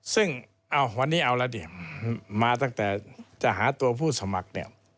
ซึ่งวันนี้เอาละดิมาตั้งแต่จะหาตัวผู้สมัครเนี่ย